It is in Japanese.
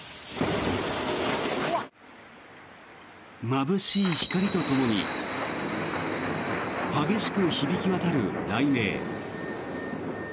まぶしい光とともに激しく響き渡る雷鳴。